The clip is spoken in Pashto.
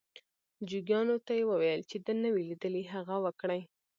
جوګیانو ته یې وویل چې ده نه وي لیدلي هغه وکړي.